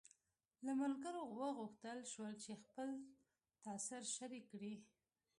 له ملګرو وغوښتل شول چې خپل تاثر شریک کړي.